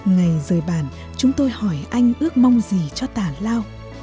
ngày rời bản chúng tôi hỏi anh ước mong gì cho tà lao